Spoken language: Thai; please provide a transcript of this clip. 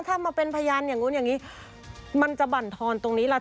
ถ้ามาเป็นพยานอย่างนู้นอย่างนี้มันจะบรรทอนตรงนี้ล่ะ